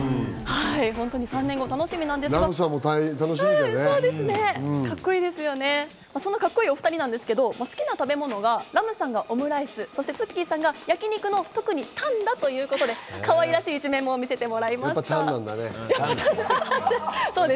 ３年後が楽しみなんですがカッコいいお２人なんですけど、好きな食べ物がＲＡＭさんがオムライス、ＴＳＵＫＫＩさんが焼き肉の特にタンだということで、かわいらしい一面も見せてもらいました。